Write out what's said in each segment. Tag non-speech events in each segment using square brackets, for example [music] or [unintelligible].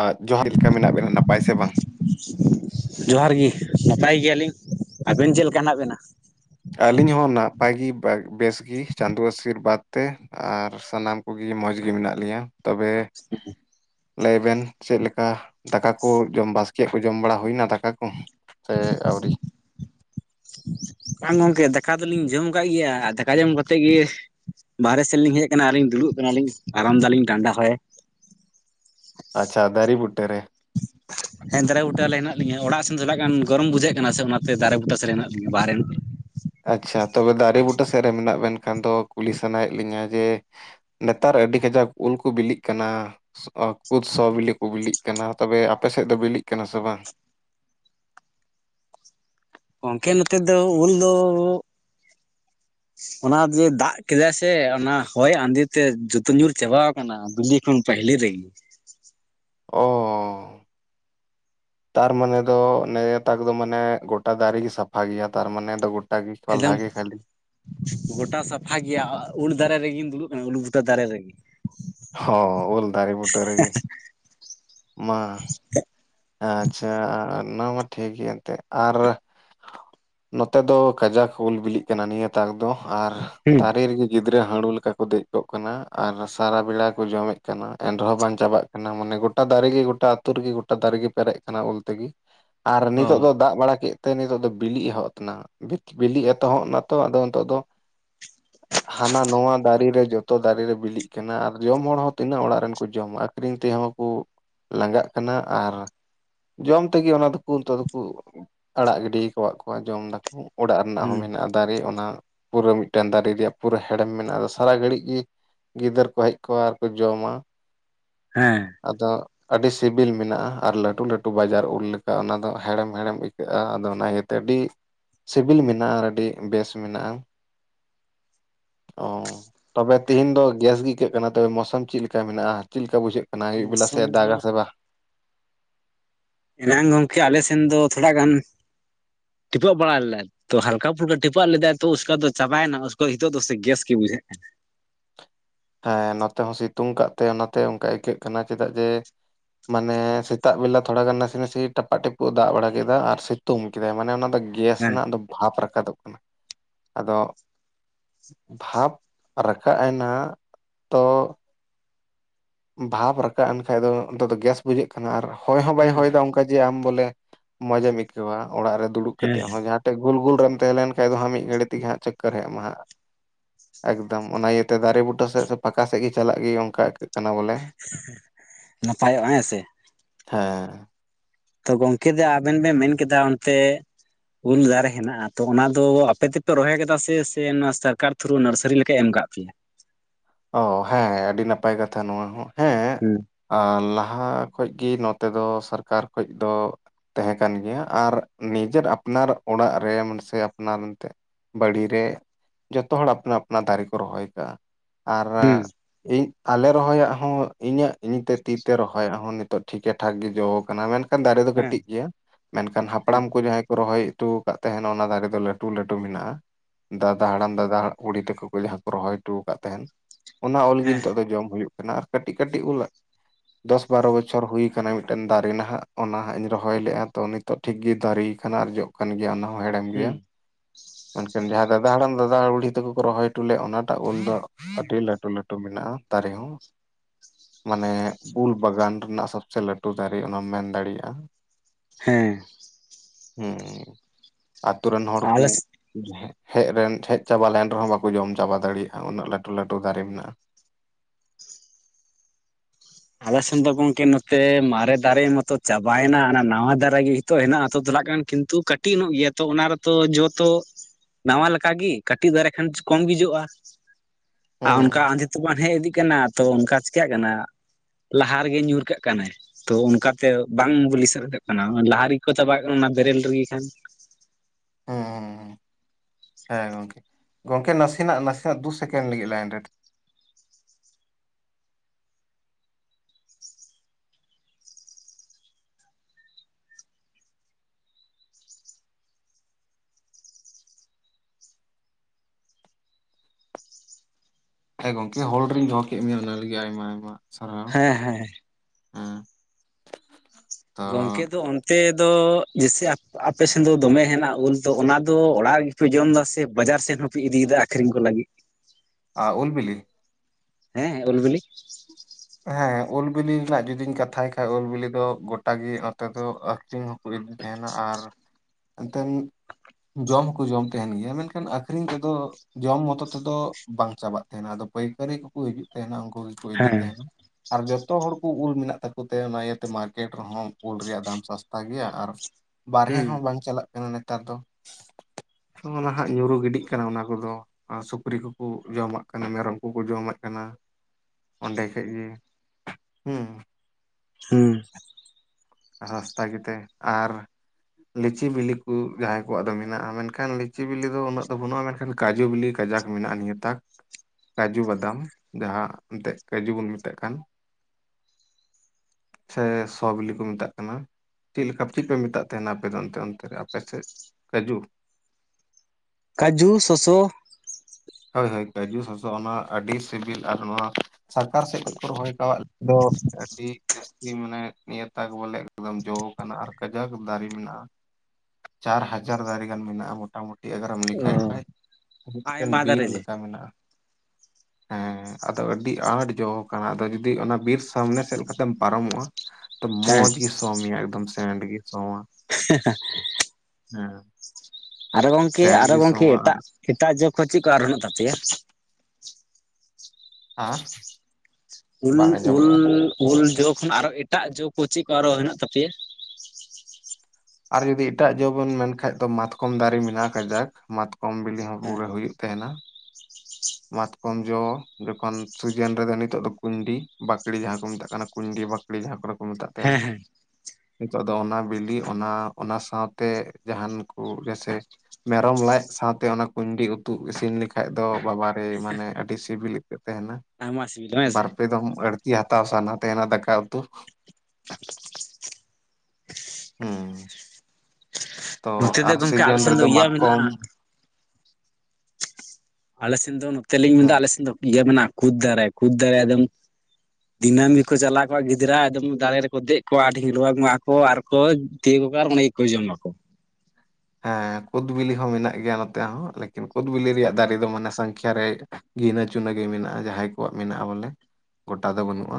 ᱟ [unintelligible] ᱪᱮᱫ ᱞᱮᱠᱟ ᱢᱮᱱᱟᱜ ᱵᱮᱱᱟ ᱱᱟᱯᱟᱭ ᱥᱮ ᱵᱟᱝ? ᱡᱚᱦᱟᱨ ᱜᱤ ᱱᱟᱯᱟᱭ ᱜᱮᱭᱟᱞᱤᱧ᱾ ᱟᱵᱮᱱ ᱪᱮᱫᱞᱮᱠᱟ ᱦᱮᱱᱟᱜ ᱵᱮᱱᱟ? ᱟᱹᱞᱤᱧ ᱦᱚᱸ ᱱᱟᱯᱟᱭᱜᱮ ᱵᱮᱥᱜᱤ ᱪᱟᱸᱫᱳ ᱟᱥᱤᱨ ᱵᱟᱫᱛᱮ᱾ ᱟᱨ ᱥᱟᱱᱟᱢ ᱠᱚᱜᱮ ᱢᱚᱡᱽ ᱜᱮ ᱢᱮᱱᱟᱜ ᱞᱮᱭᱟ᱾ ᱛᱚᱵᱮ ᱞᱟᱹᱭᱵᱮᱱ ᱪᱮᱫ ᱞᱮᱠᱟ ᱫᱟᱠᱟ ᱠᱚ ᱡᱚᱢ ᱵᱟᱥᱠᱮᱭᱟᱜ ᱠᱚ ᱡᱚᱢ ᱵᱟᱲᱟ ᱦᱩᱭᱱᱟ ᱫᱟᱠᱟ ᱠᱚ? ᱥᱮ ᱟᱹᱣᱨᱤ? ᱵᱟᱝ ᱜᱚᱝᱠᱮ ᱫᱟᱠᱟ ᱫᱚᱞᱤᱧ ᱡᱚᱢ ᱠᱟᱜ ᱜᱮᱭᱟ ᱟᱨ ᱫᱟᱠᱟ ᱡᱚᱢ ᱠᱟᱛᱮᱜ ᱜᱮ ᱵᱟᱦᱮᱨᱮ ᱥᱮᱫᱞᱤᱧ ᱦᱮᱜ ᱠᱟᱱᱟ ᱟᱨᱞᱤᱧ ᱫᱩᱲᱩᱵ ᱠᱟᱱᱟ ᱞᱤᱧ ᱟᱨᱟᱢ ᱫᱟᱞᱤᱧ ᱜᱟᱸᱰᱟ ᱦᱚᱭ᱾ ᱟᱪᱷᱟ ᱫᱟᱹᱨᱤ ᱵᱩᱴᱟᱹ ᱨᱮ? ᱦᱮᱸ ᱫᱟᱨᱮ ᱵᱩᱴᱟ. ᱨᱮ ᱦᱮᱱᱟᱜ ᱞᱤᱧ ᱚᱲᱟᱜ ᱥᱮᱱ ᱛᱷᱚᱲᱟᱜᱟᱱ ᱜᱚᱨᱚᱢ ᱵᱩᱡᱷᱟᱹᱜ ᱠᱟᱱᱟ ᱥᱮ ᱚᱱᱟᱛᱮ ᱫᱟᱨᱮ ᱵᱩᱴᱟᱹ ᱥᱮᱫ ᱨᱮ ᱦᱮᱱᱟᱜ ᱞᱤᱧᱟ᱾ ᱵᱟᱦᱨᱮ ᱟᱪᱪᱷᱟ ᱛᱚᱵᱮ ᱫᱟᱨᱮ ᱵᱩᱴᱟᱹ ᱥᱮᱫ ᱨᱮ ᱢᱮᱱᱟᱜ ᱵᱮᱱᱠᱷᱟᱱ ᱫᱚ ᱠᱩᱞᱤ ᱥᱟᱱᱟᱭᱮᱫ ᱞᱤᱧᱟᱹ ᱡᱮ ᱱᱮᱛᱟᱨ ᱟᱹᱰᱤ ᱠᱟᱡᱟᱠ ᱩᱞ ᱠᱚ ᱵᱤᱞᱤᱜ ᱠᱟᱱᱟ᱾ ᱚ ᱠᱩᱫ ᱥᱚ ᱵᱤᱞᱤ ᱠᱚ ᱵᱤᱞᱤᱜ ᱠᱟᱱᱟ᱾ ᱛᱚᱵᱮ ᱟᱯᱮ ᱥᱮᱜ ᱫᱚ ᱵᱤᱞᱤᱜ ᱠᱟᱱᱟ ᱥᱮ ᱵᱟᱝ? ᱜᱚᱝᱠᱮ ᱱᱚᱛᱮ ᱫᱚ ᱩᱞ ᱫᱚ [inaudible] ᱚᱱᱟ ᱡᱮ ᱫᱟᱜ ᱠᱮᱫᱟᱭ ᱥᱮ ᱚᱱᱟ ᱦᱚᱭ ᱟᱸᱫᱮ ᱛᱮ ᱡᱚᱛᱚ ᱧᱩᱨ ᱪᱟᱵᱟ ᱟᱠᱟᱱᱟ, ᱵᱤᱞᱤ ᱠᱷᱚᱱ ᱯᱟᱦᱞᱮ ᱨᱮᱜᱮ᱾ ᱚ ᱛᱟᱨ ᱢᱟᱱᱮ ᱫᱚ ᱱᱮ ᱛᱟᱠ ᱫᱚ ᱢᱟᱱᱮ ᱜᱚᱴᱟ ᱫᱟᱨᱮ ᱥᱟᱯᱷᱟ ᱜᱮᱭᱟ ᱛᱟᱨᱢᱟᱱᱮ ᱫᱚ ᱛᱟᱜᱮ ᱯᱟᱞᱦ ᱮᱠᱫᱚᱢ ᱜᱮ ᱠᱷᱟᱹᱞᱤ ᱜᱚᱴᱟ ᱥᱟᱯᱷᱟ ᱜᱮᱭᱟ ᱩᱞ ᱫᱟᱨᱮ ᱨᱮᱜᱮᱧ ᱫᱩᱲᱩᱵ ᱠᱟᱱᱟ ᱩᱞ ᱵᱩᱴᱟ ᱫᱟᱨᱮ ᱨᱮᱜᱮ ᱦᱚ ᱩᱞᱫᱟᱨᱤ ᱵᱩᱴ ᱨᱮ ᱜᱮ ᱢᱟ ᱟᱪᱷᱟ ᱚᱱᱟ ᱢᱟ ᱴᱷᱤᱠ ᱜᱮᱭᱟ ᱮᱱᱛᱮᱫ ᱟᱨ ᱱᱚᱛᱮ ᱫᱚ ᱠᱟᱡᱟᱠ ᱩᱞ ᱵᱤᱞᱤᱜ ᱠᱟᱱᱟ ᱱᱤᱭᱟᱹ ᱛᱟᱠ ᱫᱚ ᱟᱨ ᱦᱩᱸ ᱫᱟᱨᱮ ᱨᱮᱜᱮ ᱜᱤᱫᱽᱨᱟᱹ ᱦᱟᱹᱲᱩ ᱞᱮᱠᱟ ᱠᱚ ᱫᱮᱡ ᱠᱚᱜ ᱠᱟᱱᱟ ᱟᱨ ᱥᱟᱨᱟ ᱵᱮᱲᱟ ᱠᱚ ᱡᱚᱢᱮᱫ ᱠᱟᱱᱟ ᱮᱱ ᱨᱮᱦᱚᱸ ᱵᱟᱝ ᱪᱟᱵᱟᱜ ᱢᱟᱱᱮ ᱜᱚᱴᱟ ᱫᱟᱨᱮ ᱜᱚᱴᱟ ᱟᱹᱛᱩ ᱨᱮᱜᱮ ᱜᱚᱴᱟ ᱫᱟᱨᱮᱜ ᱜᱮ ᱯᱮᱨᱮᱡ ᱠᱟᱱᱟ ᱩᱞ ᱛᱮᱜᱮ ᱟᱨ ᱚ ᱱᱤᱛᱚᱜ ᱫᱚ ᱫᱟᱜ ᱵᱟᱲᱟ ᱠᱮᱫ ᱛᱮ ᱱᱤᱛᱚᱜ ᱫᱚ ᱵᱤᱞᱤ ᱮᱦᱚᱵ ᱮᱱᱟ ᱵᱤᱞᱤᱜ ᱮᱛᱚᱦᱚᱵ ᱮᱱᱟᱛᱚ ᱟᱫᱚ ᱱᱤᱛᱚᱜ ᱫᱚ [inaudible] ᱦᱟᱱᱟ ᱱᱚᱣᱟ ᱫᱟᱨᱮ ᱨᱮ ᱡᱚᱛᱚ ᱫᱟᱨᱮ ᱨᱮ ᱵᱤᱞᱤᱜ ᱠᱟᱱᱟ ᱟᱨ ᱡᱚᱢ ᱦᱚᱲ ᱦᱚᱸ ᱛᱤᱱᱟᱹᱜ ᱚᱲᱟᱜ ᱨᱮᱱ ᱠᱚ ᱡᱚᱢᱟ ᱟᱠᱷᱨᱤᱧ ᱛᱮᱦᱚᱸ ᱠᱚ ᱞᱟᱸᱜᱟᱜ ᱠᱟᱱᱟ ᱟᱨ ᱡᱚᱢ ᱛᱮᱜᱮ ᱚᱱᱟ ᱫᱚᱠᱚ ᱱᱤᱛᱚᱜ ᱫᱚᱠᱚ ᱟᱲᱟᱜ ᱜᱤᱰᱤ ᱟᱠᱟᱫ ᱠᱚᱣᱟ ᱡᱚᱢ ᱫᱟᱠᱚ ᱚᱲᱟᱜ ᱨᱮᱱᱟᱜ ᱦᱩᱸ ᱦᱚᱸ ᱢᱮᱱᱟᱜᱼᱟ ᱫᱟᱨᱮ ᱚᱱᱟ ᱯᱩᱨᱟᱹ ᱢᱤᱫᱴᱟᱝ ᱫᱟᱨᱮ ᱨᱮᱭᱟᱜ ᱯᱩᱨᱟᱹ ᱦᱮᱲᱮᱢ ᱢᱮᱱᱟᱜᱼᱟ ᱟ ᱥᱟᱨᱟ ᱜᱷᱟᱹᱲᱤᱡ ᱜᱮ ᱜᱤᱫᱟᱹᱨ ᱠᱚ ᱦᱮᱡ ᱠᱚᱜᱼᱟ ᱟᱨ ᱠᱚ ᱡᱚᱢᱟ ᱦᱮᱸ ᱟᱫᱚ ᱟᱹᱰᱤ ᱥᱤᱵᱤᱞ ᱢᱮᱱᱟᱜᱼᱟ ᱟᱨ ᱞᱟᱹᱴᱩ ᱞᱟᱹᱴᱩ ᱵᱟᱡᱟᱨ ᱩᱞ ᱞᱮᱠᱟ ᱚᱱᱟ ᱫᱚ ᱦᱮᱲᱮᱢ ᱦᱮᱲᱮᱢ ᱟᱹᱭᱠᱟᱹᱜᱼᱟ ᱟᱫᱚ ᱚᱱᱟ ᱤᱭᱟᱹᱛᱮ ᱟᱹᱰᱤ ᱥᱤᱵᱤᱞ ᱢᱮᱱᱟᱜᱼᱟ ᱟᱹᱰᱤ ᱵᱮᱥ ᱢᱮᱱᱟᱜᱼᱟ ᱚ ᱛᱚᱵᱮ ᱛᱦᱮᱧ ᱫᱚ ᱜᱮᱥ ᱜᱮ ᱟᱹᱭᱠᱟᱹᱜ ᱠᱟᱱᱟ ᱛᱚᱵᱮ ᱢᱳᱥᱚᱢ ᱪᱮᱫᱮ ᱞᱮᱠᱟ ᱢᱮᱱᱟᱜᱼᱟ ᱪᱮᱫ ᱞᱮᱠᱟ ᱵᱩᱡᱷᱟᱹᱜ ᱠᱟᱱᱟ ᱟᱭᱵ ᱵᱤᱞᱟ ᱥᱮ ᱢᱳᱥᱚᱢ ᱫᱚ ᱫᱟᱜᱽᱪ ᱥᱮ ᱵᱟ ᱮᱱᱟᱝ ᱜᱚᱢᱠᱮ ᱟᱞᱮ ᱥᱮᱱ ᱫᱚ ᱛᱷᱚᱲᱟ ᱜᱟᱱ ᱴᱤᱯᱟᱹᱜ ᱵᱟᱲᱟ ᱞᱮᱫᱟᱭ᱾ ᱛᱚ ᱦᱟᱞᱠᱟ ᱯᱷᱩᱞᱠᱟ ᱴᱤᱯᱟᱹᱜ ᱞᱮᱫᱟᱭ ᱛᱚᱥᱠᱟ ᱫᱚ ᱪᱟᱵᱟᱭᱮᱱᱟ ᱦᱤᱛᱚᱜ ᱫᱚ ᱥᱮ ᱜᱮᱥ ᱜᱮ ᱵᱩᱡᱷᱟᱹᱜ ᱠᱟᱱᱟ ᱦᱮᱸ ᱱᱚᱛᱮ ᱦᱚᱸ ᱥᱤᱛᱩᱝ ᱠᱟᱜ ᱛᱮ ᱚᱱᱟᱛᱮ ᱚᱱᱠᱟ ᱟᱹᱭᱠᱟᱹᱜ ᱠᱟᱱᱟ ᱪᱮᱫᱟᱜ ᱡᱮ ᱢᱟᱱᱮ ᱥᱮᱛᱟᱜ ᱵᱮᱞᱟ ᱛᱷᱚᱲᱟ ᱜᱟᱱ ᱱᱟᱥᱮ ᱱᱟᱥᱮ ᱴᱟᱯᱟᱜ ᱴᱤᱯᱩᱜ ᱫᱟᱜ ᱵᱟᱲᱟ ᱠᱮᱫᱟ ᱟᱨ ᱥᱤᱛᱩᱝ ᱠᱮᱫᱟᱭ ᱢᱟᱱᱮ ᱚᱱᱟ ᱫᱚ ᱜᱮᱥ ᱦᱮᱸ ᱨᱮᱱᱟᱜ ᱫᱚ ᱵᱷᱟᱵ ᱨᱟᱠᱟᱵᱚᱜ ᱠᱟᱱᱟ ᱟᱫᱚ ᱵᱷᱟᱰᱽ ᱨᱟᱠᱟᱵᱱᱟ ᱛᱚ ᱵᱷᱟᱵᱽ ᱨᱟᱠᱟᱵ ᱮᱱ ᱠᱷᱟᱱᱡ ᱫᱚ ᱱ ᱫᱚ ᱜᱮᱥ ᱵᱩᱡᱷᱟᱹᱜ ᱠᱟᱱᱟ ᱟᱨ ᱦᱚᱭ ᱦᱚᱸ ᱵᱟᱭ ᱦᱚᱭᱮᱫᱟ ᱚᱱᱠᱟ ᱡᱮ ᱟᱢ ᱵᱚᱞᱮ ᱢᱚᱡᱮᱢ ᱟᱹᱭᱠᱟᱹᱣᱟ ᱚᱲᱟᱜ ᱨᱮ ᱫᱩᱲᱩᱵ ᱦᱮᱸ ᱠᱟᱛᱮ ᱦᱚᱸ ᱡᱟᱦᱟᱸ ᱢᱤᱫ ᱜᱩᱞ ᱜᱩᱞ ᱨᱮᱢ ᱛᱟᱦᱮᱸ ᱞᱮᱱ ᱠᱷᱟᱱᱡ ᱫᱚ ᱦᱜ ᱢᱤᱫ ᱜᱟᱹᱲᱤ ᱛᱮᱜᱮᱟᱸᱜ ᱪᱟᱹᱠᱟᱹᱨ ᱦᱮᱡ ᱟᱢᱟ ᱦᱜ ᱮᱠᱫᱚᱢ ᱚᱱᱟ ᱤᱭᱟᱹᱛᱮ ᱫᱟᱨᱮ ᱵᱩᱴᱟᱹ ᱥᱮᱫ ᱥᱮ ᱯᱷᱟᱠᱟ ᱥᱮᱫ ᱜᱮ ᱪᱟᱞᱟᱜ ᱜᱮ ᱚᱱᱠᱟ ᱠᱟᱱᱟ ᱵᱚᱞᱮ ᱱᱟᱯᱟᱭᱚᱜᱼᱟ ᱦᱮᱸ ᱥᱮ ᱦᱮᱸ ᱛᱚ ᱜᱚᱢᱠᱮ ᱟᱵᱮᱱ ᱵᱮᱱ ᱢᱮᱱᱠᱮᱫᱟ ᱚᱱᱛᱮ ᱩᱞ ᱫᱟᱨᱮ ᱦᱮᱱᱟᱜᱼᱟ ᱛᱚ ᱚᱱᱟ ᱫᱚ ᱟᱯᱮ ᱛᱮᱯᱮ ᱨᱚᱦᱚᱭ ᱠᱟᱫᱟ ᱥᱮ ᱥᱮ ᱱᱚᱣᱟ ᱥᱚᱨᱠᱟᱨ ᱛᱷᱩᱨᱩ ᱱᱟᱨᱥᱟᱨᱤ ᱞᱮᱠᱟ ᱮᱢ ᱟᱠᱟᱫ ᱯᱮᱭᱟ ᱚ ᱦᱮᱸ ᱟᱹᱰᱤ ᱱᱟᱯᱟᱭ ᱠᱟᱛᱷᱟ ᱱᱚᱣᱟ ᱦᱚᱸ ᱦᱮᱸ ᱟᱨ ᱞᱟᱦᱟ ᱠᱷ ᱜᱮ ᱱᱚᱛᱮ ᱫᱚ ᱥᱚᱨᱠᱟᱨ ᱠᱷ ᱫᱚ ᱛᱟᱦᱮᱸ ᱠᱟᱱ ᱜᱮᱭᱟ ᱟᱨ ᱱᱤᱡᱮᱨ ᱟᱯᱱᱟᱨ ᱚᱲᱟᱜ ᱨᱮ ᱥᱮ ᱟᱯᱱᱟᱨ ᱮᱱᱛᱮ᱾ ᱵᱟᱲᱤ ᱨᱮ ᱡᱚᱛᱚ ᱦᱚᱲ ᱟᱯᱱᱟ ᱟᱯᱱᱟ ᱫᱟᱨᱮ ᱠᱚ ᱨᱚᱦᱚᱭ ᱠᱟᱜᱼᱟ, ᱟᱨ ᱦᱩᱸ ᱤᱧ ᱟᱞᱮ ᱨᱚᱦᱚᱭᱟᱜ ᱦᱚᱸ ᱤᱧᱟᱹᱜ ᱤᱧ ᱛᱮ ᱛᱤ ᱛᱮ ᱨᱚᱦᱚᱟᱜ ᱦᱚᱸ ᱱᱤᱛᱚᱜ ᱴᱷᱤᱠᱮ ᱴᱷᱟᱠ ᱜᱮ ᱡᱚ ᱟᱠᱟᱱᱟ, ᱢᱮᱱ ᱫᱟᱨᱮ ᱫᱚ ᱦᱮᱸ ᱠᱟᱹᱴᱤᱡ ᱜᱮᱭᱟ ᱢᱮᱱᱠᱷᱟᱱ ᱦᱮᱸ ᱦᱟᱯᱲᱟᱢ ᱠᱚ ᱡᱟᱦᱟᱸᱭ ᱨᱚᱦᱚᱭ ᱦᱚᱴᱚ ᱟᱠᱟᱫ ᱛᱟᱦᱮᱱᱟ ᱚᱱᱟ ᱫᱟᱨᱮ ᱫᱚ ᱞᱟᱹᱴᱩ ᱞᱟᱹᱴᱩ ᱢᱮᱱᱟᱜᱼᱟ ᱫᱟᱫᱟ ᱦᱟᱲᱟᱢ ᱫᱟᱫᱟ ᱵᱲᱦᱤ ᱛᱟᱠᱚ ᱠᱚ ᱡᱟᱦᱟᱸ ᱠᱚ ᱨᱚᱦᱚᱭ ᱦᱚᱴᱚ ᱟᱠᱟᱫ ᱛᱟᱦᱮᱸᱱ ᱚᱱᱟ ᱩᱞ ᱜᱮ ᱦᱮᱸ ᱱᱤᱛᱚᱜ ᱫᱚ ᱡᱚᱢ ᱦᱩᱭᱩᱜ ᱠᱟᱱᱟ ᱟᱨ ᱠᱟᱹᱴᱤᱡ ᱠᱟᱹᱴᱤᱡ ᱩᱞᱟᱜ ᱫᱚᱥ ᱵᱟᱨᱚ ᱵᱚᱪᱷᱚᱨ ᱦ ᱦᱩᱭ ᱟᱠᱟᱱᱟ ᱢᱤᱫᱴᱮᱱ ᱫᱟᱨᱮ ᱱᱟᱦᱟᱜ ᱚᱱᱟ ᱦᱟᱸᱜ ᱤᱧ ᱨᱚᱦᱚᱭ ᱞᱮᱫᱼᱟ ᱛᱚ ᱛᱚ ᱴᱷᱤᱠ ᱜᱮ ᱫᱟᱨᱮ ᱠᱟᱱᱟ ᱟᱨ ᱡᱚᱜ ᱠᱟᱱ ᱜᱮᱭᱟ ᱚᱱᱟ ᱦᱚᱸ ᱦᱮᱲᱮᱢ ᱜᱮᱭᱟ ᱦᱩᱸ ᱢᱮᱱᱠᱷᱟᱱ ᱡᱟᱦᱟᱸ ᱫᱟᱫᱟ ᱦᱟᱲᱟᱢ ᱫᱟᱫᱟ ᱵᱩᱲᱦᱤ ᱛᱮᱠᱚ ᱨᱚᱦᱚᱭ ᱦᱚᱴᱚ ᱞᱮᱫᱭᱟ ᱚᱱᱟᱴᱟᱜ ᱩᱞ ᱫᱚ ᱟᱹᱰᱤ ᱞᱟᱹᱴᱩ ᱞᱟᱹᱴᱩ ᱢᱮᱱᱟᱜᱼᱟ ᱫᱟᱨᱮ ᱦᱚᱸ ᱢᱟᱱᱮ ᱩᱞ ᱵᱟᱜᱟᱱ ᱨᱮᱱᱟᱜ ᱥᱚᱵᱪᱮ ᱞᱟᱹᱴᱩ ᱫᱟᱨᱮ ᱚᱱᱟᱢ ᱢᱮᱱ ᱫᱟᱲᱮᱭᱟᱜᱼᱟ᱾ ᱦᱮᱸ᱾ ᱦᱩᱸ ᱟᱛᱩ ᱨᱮᱱ ᱦᱚᱲ ᱠᱩ ᱟᱞᱮ ᱦᱮ-ᱦᱮᱡ ᱨᱮᱱ ᱦᱮᱡ ᱪᱟᱵᱟ ᱞᱮᱱ ᱨᱮᱦᱚᱸ ᱵᱟᱠᱚ ᱡᱚᱢ ᱪᱟᱵᱟ ᱫᱟᱲᱮᱭᱟᱜᱼᱟ ᱩᱱᱟᱹᱜ ᱞᱟᱹᱴᱩ ᱞᱟᱹᱴᱩ ᱫᱟᱨᱮ ᱢᱮᱱᱟᱜᱼᱟ᱾ ᱟᱞᱮ ᱥᱮᱱ ᱫᱚ ᱜᱚᱝᱠᱮ ᱱᱚᱛᱮ ᱢᱟᱨᱮ ᱫᱟᱨᱮ ᱢᱟᱛᱚ ᱪᱟᱵᱟᱭᱮᱱᱟ ᱱᱟᱣᱟ ᱫᱟᱨᱮ ᱜᱮ ᱛᱚ ᱦᱮᱱᱟᱜᱼᱟ ᱛᱚ ᱛᱮᱞᱟᱜᱠᱟᱱ ᱠᱤᱱᱛᱩ ᱠᱟᱹᱴᱤᱡ ᱱᱚᱜ ᱜᱮᱭᱟ ᱛᱚ ᱚᱱᱟ ᱨᱮᱛᱚ ᱡᱚᱛᱚ ᱱᱟᱣᱟ ᱞᱮᱠᱟ ᱜᱤ ᱠᱟᱹᱴᱤᱡ ᱫᱟᱨᱮ ᱠᱷᱟᱱᱪ ᱠᱚᱢ ᱜᱮ ᱡᱚᱜᱼᱟ᱾ ᱟ ᱦᱩᱸ ᱚᱱᱠᱟ ᱟᱸᱡᱤᱛᱚ ᱵᱟᱝ ᱦᱮᱡ ᱤᱫᱤᱜ ᱠᱟᱱᱟ ᱛᱚ ᱚᱱᱠᱟ ᱪᱤᱠᱟᱹᱜ ᱠᱟᱱᱟ? ᱞᱟᱦᱟ ᱨᱮᱜᱮ ᱧᱩᱨ ᱠᱟᱜ ᱠᱟᱱᱟᱭ᱾ ᱛᱚ ᱚᱱᱠᱟ ᱛᱮ ᱵᱟᱝ ᱵᱤᱞᱤ ᱥᱟᱨᱮ ᱫᱚᱜ ᱠᱟᱱᱟ ᱞᱟᱦᱟ ᱨᱮ ᱠᱚ ᱪᱟᱵᱟᱜ ᱠᱟᱱᱟ ᱚᱱᱟ ᱵᱮᱨᱮᱞ ᱨᱮᱜᱮ ᱠᱷᱟᱱ᱾ ᱦᱮᱸ, ᱦᱮᱸ ᱜᱚᱝᱠᱮ, ᱜᱚᱝᱠᱮ ᱱᱟᱥᱮᱱᱟᱜ ᱱᱟᱥᱮᱱᱟᱜ ᱫᱩ ᱥᱮᱠᱮᱱᱰ ᱞᱟᱹᱜᱤᱫ ᱞᱟᱭᱤᱱ ᱨᱮ ᱦᱮᱸ ᱜᱚᱝᱠᱮ ᱦᱳᱞᱰ ᱨᱮᱧ ᱫᱚᱦᱚ ᱠᱮᱜ ᱢᱮᱭᱟ ᱚᱱᱟ ᱞᱟᱹᱜᱤᱫ ᱟᱭᱢᱟ ᱟᱭᱢᱟ ᱥᱟᱨᱦᱟᱣ᱾ ᱦᱮᱸ ᱦᱮᱸ᱾ ᱦᱩᱸ᱾ ᱜᱚᱢᱠᱮ ᱫᱚ ᱚᱱᱛᱮ ᱫᱚ ᱡᱮᱥᱮ ᱟ ᱟᱯᱮ ᱥᱮᱱ ᱫᱚ ᱫᱚᱢᱮ ᱦᱮᱱᱟᱜᱼᱟ ᱩᱞ ᱛᱚ ᱚᱱᱟ ᱫᱚ ᱚᱲᱟᱜ ᱨᱮᱜᱮ ᱯᱮ ᱡᱚᱢ ᱫᱟ ᱥᱮ ᱵᱟᱡᱟᱨ ᱥᱮᱫ ᱦᱚᱸᱯᱮ ᱤᱫᱤᱭᱫᱟ ᱟᱠᱷᱨᱤᱧ ᱠᱚ ᱞᱟᱹᱜᱤᱫ? ᱟ ᱩᱞ ᱵᱤᱞᱤ᱾ ᱦᱮᱸ ᱩᱞ ᱵᱤᱞᱤ᱾ ᱦᱮᱸ ᱩᱞ ᱵᱤᱞᱤ ᱨᱮᱱᱟᱜ ᱡᱩᱫᱤᱧ ᱠᱟᱛᱷᱟᱭ ᱠᱷᱟᱡ ᱩᱞ ᱵᱤᱞᱤ ᱫᱚ ᱜᱚᱴᱟ ᱜᱮ ᱱᱚᱛᱮ ᱫᱚ ᱟᱠᱷᱨᱤᱧ ᱦᱚ ᱠᱩ ᱤᱫᱤ ᱛᱟᱦᱮᱱᱟ, ᱟᱨ ᱚᱱᱛᱮᱱ ᱡᱚᱢ ᱦᱚᱸᱠᱚ ᱡᱚᱢ ᱛᱟᱦᱮᱱ ᱜᱮᱭᱟ ᱢᱮᱱᱠᱷᱟᱱ ᱟᱠᱷᱨᱤᱧ ᱛᱮᱫᱚ ᱡᱚᱢ ᱢᱚᱛᱚ ᱛᱮᱫᱚ ᱵᱟᱝ ᱪᱟᱵᱟᱜ ᱛᱟᱦᱮᱱᱟ ᱟᱫᱚ ᱯᱟᱹᱭᱠᱟᱹᱨᱤ ᱠᱩᱠᱩ ᱦᱤᱡᱩᱜ ᱛᱟᱦᱮᱱᱟ ᱩᱱᱠᱩ ᱜᱮᱠᱚ ᱤᱫᱤ ᱦᱮᱸ ᱛᱟᱦᱮᱱᱚᱜ᱾ ᱟᱨ ᱡᱚᱛᱚ ᱦᱚᱲ ᱠᱩ ᱩᱞ ᱢᱮᱱᱟᱜ ᱛᱟᱠᱚ ᱛᱮ ᱚᱱᱟ ᱤᱭᱟᱹ ᱛᱮ ᱢᱟᱨᱠᱮᱴ ᱨᱮᱦᱚᱸ ᱩᱞ ᱨᱮᱭᱟᱜ ᱫᱟᱢ ᱥᱟᱥᱛᱟ ᱜᱮᱭᱟ, ᱟᱨ ᱵᱟᱨᱦᱮᱸ ᱦᱩᱸ ᱦᱚᱸ ᱵᱟᱝ ᱪᱟᱞᱟᱜ ᱠᱟᱱᱟ ᱱᱮᱛᱟᱨ ᱫᱚ ᱱᱟᱦᱟᱜ ᱧᱩᱨᱩ ᱜᱤᱰᱤᱜ ᱠᱟᱱᱟ ᱚᱱᱟ ᱠᱚᱫᱚ᱾ ᱟᱸ ᱥᱩᱠᱨᱤ ᱠᱩᱠᱩ ᱡᱚᱢᱟᱜ ᱠᱟᱱᱟ ᱢᱮᱨᱚᱢ ᱠᱩᱠᱩ ᱡᱚᱢᱟᱜ ᱠᱟᱱᱟ ᱚᱸᱰᱮ᱾ ᱴᱮᱜ ᱜᱮ ᱦᱩᱸ᱾ ᱦᱩᱸ᱾ ᱦᱟᱸᱥᱛᱟ ᱜᱮᱛᱮ, ᱟᱨ ᱞᱤᱪᱤ ᱵᱤᱞᱤ ᱠᱩ ᱡᱟᱦᱟᱸᱭ ᱠᱚᱣᱟᱜ ᱫᱚ ᱢᱮᱱᱟᱜᱼᱟ ᱢᱮᱱᱠᱷᱟᱱ ᱞᱤᱪᱤ ᱵᱤᱞᱤ ᱫᱚ ᱩᱱᱟᱹᱜ ᱫᱚ ᱵᱟᱹᱱᱩᱜᱼᱟ, ᱢᱮᱱᱠᱷᱟ ᱠᱟᱡᱩ ᱵᱤᱞᱤ ᱠᱟᱡᱟᱠ ᱢᱮᱱᱟᱜᱼᱟ ᱱᱤᱭᱟᱹ ᱛᱟᱠ᱾ ᱠᱟᱹᱡᱩ ᱵᱟᱫᱟᱢ ᱡᱟᱦᱟᱸ ᱮᱱᱛᱮᱜ ᱠᱟᱹᱡᱩ ᱵᱚᱱ ᱢᱮᱛᱟᱜ ᱠᱟᱱ᱾ ᱥᱮ ᱥᱚ ᱵᱤᱞᱤ ᱠᱚ ᱢᱮᱛᱟᱜ ᱠᱟᱱᱟ ᱪᱤᱜ ᱞᱮᱠᱟ ᱪᱤᱜ ᱯᱮ ᱢᱮᱛᱟᱜ ᱛᱟᱦᱮᱱᱟ ᱟᱯᱮ ᱫᱚ ᱚᱱᱛᱮ ᱚᱱᱛᱮ ᱨᱮ ᱟᱯᱮ ᱥᱮᱜ ᱠᱟᱹᱡᱩ? [inaudible] ᱠᱟᱡᱩ, ᱥᱚᱥᱚ᱾ ᱦᱳᱭ ᱦᱳᱭ ᱠᱟᱹᱡᱩ, ᱥᱟᱥᱚ ᱚᱱᱟ ᱟᱹᱰᱤ ᱥᱤᱵᱤᱞ ᱟᱨ ᱱᱚᱣᱟ ᱥᱟᱨᱠᱟᱨ ᱥᱮᱡ ᱠᱷᱚᱡ ᱠᱚ ᱨᱚᱦᱚᱭ ᱠᱟᱣᱟᱜ ᱫᱚ ᱟᱹᱰᱤ ᱡᱟᱹᱥᱛᱤ ᱢᱟᱱᱮ ᱱᱤᱭᱟᱹ ᱛᱟᱠ ᱵᱚᱞᱮ ᱮᱠᱫᱚᱢ ᱡᱚᱣ ᱠᱟᱱᱟ ᱟᱨ ᱠᱟᱡᱟᱠ ᱫᱟᱨᱮ ᱢᱮᱱᱟᱜᱼᱟ᱾ ᱪᱟᱨ ᱦᱟᱡᱟᱨ ᱫᱟᱨᱮ ᱜᱟᱱ ᱢᱮᱱᱟᱜᱼᱟ ᱢᱚᱴᱟᱢᱩᱴᱤ ᱮᱜᱟᱨᱟᱢ ᱞᱮᱠᱷᱟᱭ ᱠᱷᱟᱡ᱾ ᱢᱤᱫᱴᱮᱱ ᱟᱭᱢᱟ ᱵᱤᱨ ᱫᱟᱨᱮ ᱜᱮ ᱞᱮᱠᱟ ᱢᱮᱱᱟᱜᱼᱟ, ᱦᱮᱸ᱾ ᱦᱮᱸ ᱟᱫᱚ ᱟᱹᱰᱤ ᱟᱦᱟᱴ ᱡᱚᱣ ᱠᱟᱱᱟ ᱟᱫᱚ ᱡᱩᱫᱤ ᱚᱱᱟ ᱵᱤᱨ ᱥᱟᱢᱱᱮ ᱥᱮᱫ ᱞᱮᱠᱟᱛᱮᱢ ᱯᱟᱨᱚᱢᱚᱜᱼᱟ ᱦᱮᱸ ᱢᱚᱡᱽ ᱜᱮ ᱥᱚ ᱢᱮᱭᱟ ᱮᱠᱫᱚᱢ ᱥᱮᱱᱰ ᱜᱮ ᱥᱳᱣᱟ᱾ [unintelligible] ᱦᱮᱸ᱾ ᱟᱨᱚ ᱜᱚᱝᱠᱮ ᱥᱮᱱᱴ ᱟᱨᱚ ᱜᱮ ᱜᱚᱝᱠᱮ ᱥᱚᱣᱟ ᱟᱨ ᱮᱴᱟᱜ ᱮᱴᱟᱜ ᱡᱚ ᱠᱚ ᱪᱤᱜ ᱠᱚ ᱟᱨᱚ ᱦᱮᱱᱟᱜ ᱛᱟᱯᱮᱭᱟ? ᱟᱸ? ᱩᱞ ᱩᱞ ᱩᱞ ᱡᱚ ᱠᱷᱚᱱ ᱟᱨ ᱮᱴᱟᱜ ᱡᱚ ᱠᱚ ᱪᱤᱜ ᱠᱚ ᱟᱨᱚ ᱦᱮᱱᱟᱜ ᱛᱟᱯᱮᱭᱟ? ᱟᱨ ᱡᱩᱫᱤ ᱮᱴᱟᱜ ᱡᱚ ᱵᱚᱱ ᱢᱮᱱ ᱠᱷᱟᱡ ᱫᱚ ᱢᱟᱛᱠᱚᱢ ᱫᱟᱨᱮ ᱢᱮᱱᱟᱜᱼᱟ ᱠᱟᱡᱟᱠ ᱢᱟᱛᱠᱚᱢ ᱵᱤᱞᱤ ᱦᱚᱸ ᱦᱮᱸ ᱯᱩᱨᱟᱹ ᱦᱩᱭᱩᱜ᱾ ᱛᱟᱸᱦᱮᱱᱟ ᱾ ᱢᱟᱛᱠᱚᱢ ᱡᱚ ᱡᱚᱠᱷᱚᱱ ᱥᱤᱡᱤᱱ ᱨᱮᱫᱚ ᱱᱤᱛᱚᱜ ᱫᱚ ᱠᱩᱭᱰᱤ ᱵᱟᱠᱲᱮ ᱡᱟᱦᱟᱸ ᱠᱚ ᱢᱮᱛᱟᱜ ᱠᱟᱱᱟ ᱠᱩᱸᱭᱰᱤ ᱵᱟᱠ ᱠᱩᱲᱤ ᱡᱟᱦᱟᱸ ᱠᱚᱨᱮ ᱠᱚ ᱢᱮᱛᱟᱜ ᱦᱮᱸ ᱛᱟᱸᱦᱮᱱᱟ ᱦᱮᱸ ᱱᱤᱛᱚᱜ ᱫᱚ ᱚᱱᱟ ᱵᱤᱞᱤ ᱚᱱᱟ ᱚᱱᱟ ᱥᱟᱶᱛᱮ ᱡᱟᱦᱟᱸᱱ ᱠᱚ ᱜᱮᱥᱮ ᱢᱮᱨᱚᱢ ᱞᱟᱡ, ᱥᱟᱶᱛᱮ ᱚᱱᱟ ᱠᱩᱸᱭᱰᱤ ᱩᱛᱩ ᱤᱥᱤᱱ ᱞᱮᱠᱷᱟᱡ ᱫᱚ ᱵᱟᱵᱟ ᱨᱮ ᱢᱟᱱᱮ ᱟᱹᱰᱤ ᱥᱤᱵᱤᱞ ᱟᱹᱠᱟᱹᱜ ᱛᱟᱸᱦᱮᱱᱟ ᱟᱭᱢᱟ ᱥᱤᱵᱤᱞᱟ ᱦᱮᱸ ᱥᱮ ᱵᱟᱨ ᱯᱮ ᱫᱚᱢ ᱟᱲ ᱛᱤ ᱦᱟᱛᱟᱣ ᱥᱟᱱᱟ ᱛᱟᱦᱮᱱᱟ ᱫᱟᱠᱟ ᱩᱛᱩ ᱾ [inaudible] ᱦᱩᱸ ᱛᱚ ᱱᱚᱛᱮ ᱫᱚ ᱟᱨ ᱜᱚᱝᱠᱮ ᱟᱞᱮ ᱥᱤᱡᱮᱱ ᱥᱮᱱ ᱫᱚ ᱨᱮᱫᱚ ᱤᱭᱟ ᱢᱟᱛᱠᱚᱢ ᱢᱮᱱᱟᱜᱼᱟ ᱾ ᱟᱞᱮ ᱥᱮᱱ ᱫᱚ ᱱᱚᱛᱮ ᱞᱤᱧ ᱢᱮᱱᱫᱟ ᱦᱩᱸ ᱟᱞᱮ ᱥᱮᱱ ᱫᱚ ᱤᱭᱟᱹ ᱢᱮᱱᱟᱜᱼᱟ ᱠᱩᱫ ᱫᱟᱨᱮ ᱠᱩᱫ ᱫᱟᱨᱮ ᱮᱠᱫᱚᱢ ᱾ ᱫᱤᱱᱟᱹᱢ ᱜᱮᱠᱚ ᱪᱟᱞᱟᱣ ᱠᱚᱣᱟ ᱜᱤᱫᱽᱨᱟᱹ ᱮᱠᱚᱢ ᱫᱟᱨᱮ ᱨᱮᱠᱚ ᱫᱮᱡ ᱠᱚᱣᱟ ᱟᱨ ᱰᱷᱤᱞᱣᱟᱹᱝᱚᱜ ᱟᱠᱚ ᱟᱨ ᱠᱚᱭ ᱛᱤᱭᱳᱜᱟ ᱠᱚ ᱟᱨ ᱚᱱᱰᱮ ᱜᱮ ᱠᱚ ᱡᱚᱢᱟ ᱠᱚ᱾ ᱦᱮᱸ ᱠᱩᱫ ᱵᱤᱞᱤ ᱦᱚᱸ ᱢᱮᱱᱟᱜ ᱜᱮᱭᱟ ᱱᱚᱛᱮ ᱦᱚᱸ, ᱞᱮᱠᱤᱱ ᱠᱩᱫ ᱵᱤᱞᱤ ᱨᱮᱭᱟᱜ ᱫᱟᱨᱮ ᱫᱚ ᱢᱟᱱᱮ ᱥᱚᱝᱠᱷᱟ ᱨᱮᱼᱼ ᱜᱤᱱᱟᱹ ᱪᱩᱱᱟᱹ ᱜᱮ ᱢᱮᱱᱟᱜᱼᱟ ᱡᱟᱦᱟᱸᱭ ᱠᱚᱣᱟᱜ ᱢᱮᱱᱟᱜᱼᱟ ᱵᱚᱞᱮ ᱜᱚᱴᱟ ᱫᱚ ᱵᱟᱹᱱᱩᱜᱼᱟ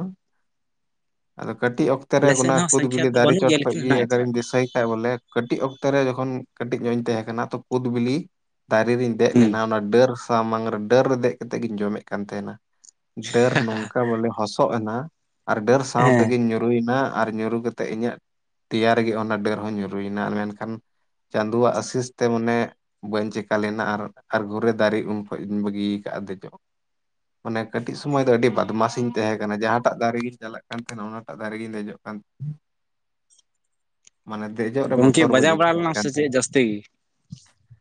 ᱾ ᱟᱫᱚ ᱠᱟᱹᱴᱤᱡ ᱚᱠᱛᱮ ᱨᱮ ᱟᱞᱮ ᱚᱱᱟ ᱥᱮᱱ ᱦᱚᱸ ᱠᱩᱫ ᱥᱚᱝᱠᱷᱟ ᱵᱤᱞᱤ ᱫᱚ ᱫᱟᱨᱮ ᱵᱟᱹᱱᱩᱜ ᱪᱚᱴ ᱜᱮᱭᱟ ᱠᱷᱚᱡ ᱞᱮᱠᱤᱱ ᱜᱮ ᱦᱮᱱᱟᱜ ᱟᱜᱟᱨᱤᱧ ᱛᱟᱞᱮᱭᱟ ᱫᱤᱥᱟᱹᱭ ᱵᱚᱞᱮ ᱠᱟᱹᱴᱤᱡ ᱚᱠᱛᱚ ᱨᱮ ᱡᱚᱠᱷᱚᱱ ᱠᱟᱹᱴᱤᱡ ᱧᱚᱜ ᱤᱧ ᱛᱟᱦᱮᱸ ᱠᱟᱱᱟ ᱛᱚ ᱠᱩᱫ ᱵᱤᱞᱤ ᱫᱟᱨᱮ ᱨᱤᱧ ᱫᱮᱡ ᱦᱩᱸ ᱞᱮᱱᱟ ᱚᱱᱟ ᱰᱟᱹᱨ ᱥᱟᱢᱟᱝ ᱨᱮ ᱰᱟᱹᱨ ᱨᱮ ᱫᱮᱡ ᱠᱟᱛᱮᱫ ᱜᱤᱧ ᱡᱚᱢᱮᱫ ᱠᱟᱱ ᱛᱟᱸᱦᱮᱱᱟ ᱾ ᱰᱟᱹᱨ ᱱᱚᱝᱠᱟ ᱵᱚᱞᱮ ᱦᱚᱸᱥᱚᱜ ᱮᱱᱟ ᱟᱨ ᱰᱟᱹᱨ ᱥᱟᱶ ᱦᱮᱸ ᱛᱮᱜᱤᱧ ᱧᱩᱨᱩᱭᱱᱟ ᱟᱨ ᱧᱩᱨᱩ ᱠᱟᱛᱮ ᱛᱮᱜ ᱤᱧᱟᱹᱜ ᱫᱮᱭᱟ ᱨᱮᱜᱮ ᱚᱱᱟ ᱰᱟᱹᱨ ᱦᱚᱸ ᱧᱩᱨᱩᱭ ᱮᱱᱟ, ᱢᱮᱱᱠᱷᱟᱱ ᱪᱟᱸᱫᱳᱣᱟᱜ ᱟᱥᱤᱥ ᱛᱮ ᱢᱟᱱᱮ ᱵᱟᱹᱧ ᱪᱮᱠᱟ ᱞᱮᱱᱟ ᱟᱨ ᱟᱨ ᱜᱷᱩᱨᱮ ᱫᱟᱨᱮ ᱩᱱ ᱠᱷᱚᱱ ᱤᱧ ᱵᱟᱹᱜᱤ ᱠᱟᱜᱼᱟ ᱫᱮᱡᱚᱜ ᱾ ᱢᱟᱱᱮ ᱠᱟᱹᱴᱤᱡ ᱥᱳᱢᱚᱭ ᱫᱚ ᱟᱹᱰᱤ ᱵᱟᱫᱢᱟᱥᱤ ᱤᱧ ᱛᱟᱦᱮᱸ ᱠᱟᱱᱟ ᱡᱟᱦᱟᱸᱴᱟᱜ ᱫᱟᱨᱮ ᱜᱤᱧ ᱪᱟᱞᱟᱜ ᱠᱟᱱ ᱛᱟᱦᱮᱸᱱᱟ ᱚᱱᱟᱴᱟᱜ ᱫᱟᱨᱮᱜᱤᱧ ᱫᱮᱡᱚᱜ ᱾ ᱢᱟᱱᱮ ᱫᱮᱡᱚᱜ ᱨᱮ ᱵᱚᱛᱚᱨ ᱵᱟ. ᱧ ᱟ. ᱭᱠᱟ. ᱣ [unintelligible] ᱪᱮᱜ ᱡᱟᱹᱥᱛᱤ ᱜᱮ ᱾ [unintelligible]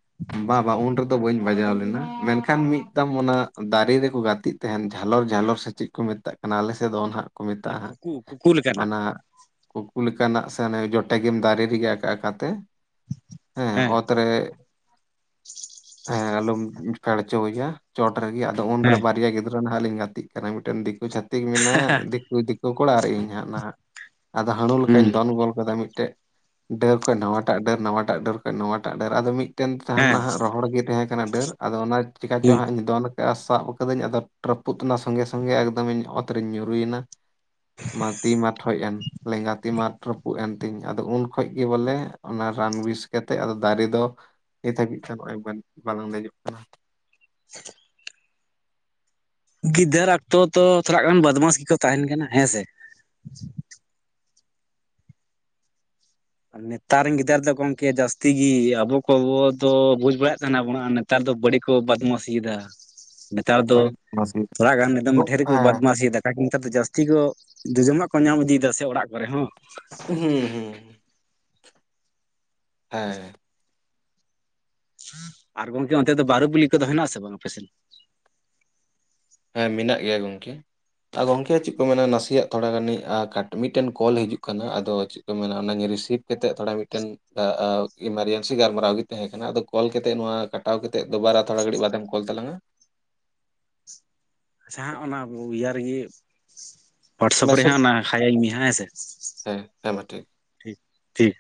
ᱵᱟ ᱵᱟ ᱩᱱ ᱨᱮᱫᱚ ᱵᱟᱹᱧ ᱵᱟᱡᱟᱣ ᱞᱮᱱᱟ ᱢᱮᱱᱠᱷᱟᱱ ᱢᱤᱫᱫᱟᱢ ᱚᱱᱟ ᱫᱟᱨᱮ ᱨᱮᱠᱚ ᱜᱟᱛᱮᱜ ᱛᱟᱸᱦᱮᱱ ᱡᱷᱟᱞᱚᱨ ᱡᱷᱟᱞᱚᱨ ᱥᱮ ᱪᱮᱫ ᱠᱚ ᱢᱮᱛᱟᱜ ᱠᱟᱱᱟ ᱟᱞᱮ ᱥᱮᱫ ᱫᱚ ᱟᱱᱟ ᱦᱟᱸᱜ ᱠᱚ ᱚᱱᱟ ᱢᱮᱛᱟᱜᱼᱟ ᱦᱟᱸᱜ ᱠᱩᱠᱩ ᱠᱩᱠᱩ ᱞᱮᱠᱟᱱᱟᱜ ᱚᱱᱟ ᱠᱩᱠᱩ ᱞᱮᱠᱟᱱᱟᱜ ᱥᱮ ᱚᱱᱟ ᱡᱚᱴᱮᱜ ᱜᱮᱢ ᱫᱟᱨᱮ ᱨᱮᱜᱮ ᱟᱠᱟ ᱟᱠᱟᱛᱮ ᱾ ᱦᱮᱸ ᱚᱛᱨᱮ ᱦᱮᱸ ᱟᱞᱚᱢ ᱯᱷᱮᱲ ᱦᱚᱪᱚᱭᱟ ᱾ ᱪᱚᱴ ᱨᱮᱜᱮ ᱟᱫᱚ ᱩᱱᱨᱮ ᱦᱮᱸ ᱵᱟᱨᱮᱭᱟ ᱜᱤᱫᱽᱨᱟᱹ ᱱᱟᱦᱟᱜ ᱞᱤᱧ ᱜᱟᱛᱮᱜ ᱠᱟᱱᱟ ᱢᱤᱫᱴᱮᱱ ᱫᱤᱠᱩ ᱪᱷᱟᱹᱛᱤᱠ ᱢᱮᱱᱟᱭᱟ ᱾ ᱩᱱᱤ ᱫᱤᱠᱩ ᱠᱚᱲᱟ ᱟᱨ ᱤᱧ ᱦᱟᱸᱜ ᱱᱟᱦᱟᱜ ᱟᱫᱚ ᱦᱟᱹᱬᱩ ᱞᱮᱠᱟᱧ ᱦᱩᱸ ᱫᱚᱱ ᱜᱚᱞ ᱠᱟᱫᱟ ᱢᱤᱫᱴᱮᱡ ᱰᱟᱹᱨ ᱠᱷᱚᱡ ᱱᱟᱣᱟᱴᱟᱜ ᱰᱟᱹᱨ ᱱᱟᱣᱟᱴᱟᱜ ᱰᱟᱹᱨ ᱠᱷᱚᱱ ᱱᱟᱣᱟᱴᱟᱜ ᱰᱟᱹᱨ ᱟᱫᱚ ᱢᱤᱫᱴᱮᱱ ᱦᱮᱸ ᱛᱟᱸᱦᱮᱱᱟ ᱦᱟᱸᱜ ᱨᱚᱦᱚᱲ ᱜᱮ ᱛᱟᱦᱮᱸ ᱠᱟᱱᱟ ᱰᱟᱹᱨ ᱟᱫᱚ ᱚᱱᱟ ᱪᱮᱠᱟ ᱪᱚ ᱦᱩᱸ ᱦᱟᱸᱜ ᱤᱧ ᱫᱚᱱ ᱥᱟᱵ ᱠᱟᱹᱫᱟᱹᱧ ᱟᱫᱚ ᱨᱟᱹᱯᱩᱫ ᱮᱱᱟ ᱥᱚᱸᱜᱮ ᱥᱚᱸᱜᱮ ᱮᱠᱫᱚᱢ ᱤᱧ ᱚᱛ ᱨᱤᱧ ᱧᱩᱨᱩᱭᱮᱱᱟ ᱾ ᱢᱟ ᱛᱤ ᱢᱟ ᱴᱷᱚᱡ ᱮᱱ ᱞᱮᱸᱜᱟ ᱛᱤ ᱢᱟ ᱨᱟᱹᱯᱩᱫ ᱮᱱ ᱛᱤᱧ ᱟᱫᱚ ᱩᱱ ᱠᱷᱚᱡ ᱜᱮ ᱵᱚᱞᱮ ᱚᱱᱟ ᱨᱟᱱ ᱵᱮᱥ ᱠᱟᱛᱮᱜ ᱟᱫᱚ ᱫᱟᱨᱮ ᱫᱚ ᱱᱤᱛ ᱦᱟᱹᱵᱤᱡ ᱛᱮ ᱱᱚᱜ ᱚᱭ ᱵᱟᱝᱞᱤᱧ ᱵᱟᱞᱟᱝ ᱫᱮᱡᱚᱜ ᱠᱟᱱᱟ ᱾ [inaudible] ᱜᱤᱫᱟᱹᱨ ᱚᱠᱛᱚ ᱛᱚ ᱛᱷᱚᱲᱟ ᱜᱟᱱ ᱵᱚᱫᱢᱟᱥ ᱜᱮᱠᱚ ᱛᱟᱸᱦᱮᱱ ᱠᱟᱱᱟ ᱦᱮᱸᱥᱮ ᱾ ᱱᱮᱛᱟᱨ ᱨᱮᱱ ᱜᱤᱫᱽᱨᱟ. ᱫᱚ ᱜᱚᱢᱠᱮ ᱡᱟᱹᱥᱛᱤ ᱜᱮ ᱟᱵᱚ ᱠᱚ ᱫᱚ ᱵᱚ ᱵᱩᱡᱽ ᱵᱟᱲᱟᱭᱮᱫ ᱛᱟᱸᱦᱮ ᱱᱟᱵᱚᱱ ᱟᱨ ᱱᱮᱛᱟᱨ ᱫᱚ ᱵᱟᱹᱲᱤᱡ ᱠᱚ ᱵᱟᱫᱢᱟᱥᱤᱭᱮᱫᱟ ᱾ ᱱᱮᱛᱟᱨ ᱫᱚ ᱵᱟᱹᱲᱤᱡ ᱱᱟᱥᱮ ᱦᱮᱸ ᱛᱷᱚᱲᱟ ᱜᱟᱱ [unintelligible] ᱰᱷᱮᱨ ᱜᱮᱠᱚ ᱵᱟᱫᱢᱟᱥᱤ ᱮᱫᱟ ᱱᱮᱛᱟᱨ ᱫᱚ ᱡᱟᱹᱥᱛᱤ ᱜᱚ ᱡᱚᱡᱚᱢᱟᱜ ᱠᱚ ᱧᱟᱢ ᱤᱫᱤᱭᱮᱫᱟ ᱥᱮ ᱚᱲᱟᱜ ᱠᱚᱨᱮ ᱦᱚᱸ ᱾ ᱦᱩᱸ ᱦᱩᱸ ᱦᱮᱸ ᱟᱨ ᱜᱚᱝᱠᱮ ᱚᱱᱛᱮ ᱫᱚ ᱵᱟᱨᱩ ᱵᱤᱞᱤ ᱠᱚᱫᱚ ᱦᱮᱸᱱᱟᱜ ᱟᱥᱮ ᱵᱟᱝ ᱟᱯᱮᱥᱮᱱ? ᱦᱮᱸ ᱢᱮᱱᱟᱜ ᱜᱮᱭᱟ ᱜᱚᱢᱠᱮ ᱾ ᱟ ᱜᱚᱝᱠᱮ ᱪᱮᱫ ᱠᱚ ᱢᱮᱱᱟ ᱱᱟᱥᱮᱭᱟᱜ ᱛᱷᱚᱲᱟ ᱜᱟᱱᱤᱧ ᱟ ᱠᱟᱴ ᱢᱤᱫᱴᱮᱱ ᱠᱚᱞ ᱦᱤᱡᱩᱜ ᱠᱟᱱᱟ ᱟᱫᱚ ᱢᱮᱱᱟᱜ ᱚᱱᱟᱧ ᱨᱤᱥᱤᱵᱷ ᱠᱟᱛᱮᱫ ᱛᱷᱚᱲᱟ ᱢᱤᱫᱴᱮᱱ ᱡᱟ ᱟᱣ ᱤᱢᱟᱨᱡᱮᱱᱥᱤ ᱜᱟᱞᱢᱟᱨᱟᱣ ᱜᱤ ᱛᱮᱦᱮᱸ ᱠᱟᱱᱟ ᱟᱫᱚ ᱠᱚᱞ ᱠᱟᱛᱮᱜ ᱱᱚᱣᱟ ᱠᱟᱴᱟᱣ ᱠᱮᱛᱮᱫ ᱫᱚᱵᱟᱨᱟ ᱛᱷᱚᱲᱟ ᱜᱷᱟᱹᱲᱤᱡ ᱵᱟᱫᱮᱢ ᱠᱚᱞ ᱛᱟᱞᱟᱝᱟ᱾ ᱟᱪᱪᱷᱟ ᱦᱟᱸᱜ ᱚᱱᱟ ᱤᱭᱟᱹ ᱨᱮᱜᱮ ᱦᱳᱣᱟᱴᱥᱟᱯ ᱨᱮ ᱢᱮᱥᱮᱡᱽ ᱦᱟᱸᱜ ᱚᱱᱟ ᱦᱟᱭ ᱟᱹᱧ ᱢᱮ ᱦᱟ ᱦᱮᱸᱥᱮ᱾ ᱦᱮᱸ ᱦᱮᱸ ᱢᱟ ᱴᱷᱤᱠ ᱴᱷᱤᱠ ᱴᱷᱤᱠ᱾